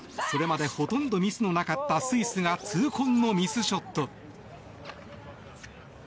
それまでほとんどミスのなかったスイスが痛恨のミスショット。